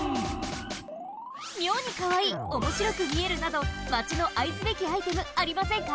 みょうにかわいいおもしろくみえるなどマチの愛すべきアイテムありませんか？